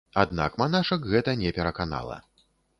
Аднак манашак гэта не пераканала.